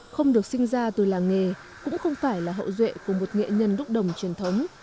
không được sinh ra từ làng nghề cũng không phải là hậu duệ của một nghệ nhân đúc đồng truyền thống